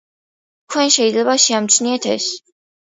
თქვენ შეიძლება შეამჩნიეთ ეს.